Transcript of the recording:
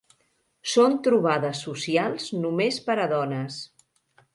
Són trobades socials només per a dones.